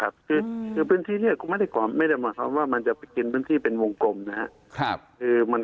บริษัทควรจะไปกินบริษัทเป็นวงกลม